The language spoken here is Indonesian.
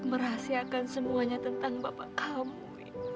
dan merahsiakan semuanya tentang bapak kamu